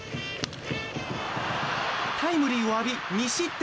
タイムリーを浴び２失点。